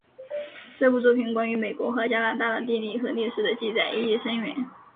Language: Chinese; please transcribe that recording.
这部作品关于美国和加拿大的地理和历史的记载意义深远。